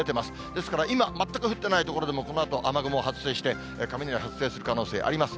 ですから、今、全く降ってない所でも、このあと雨雲が発生して、雷発生する可能性あります。